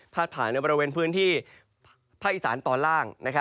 ผ่านในบริเวณพื้นที่ภาคอีสานตอนล่าง